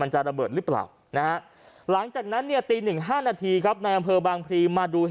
หลังจากนั้นตี๑๕นาที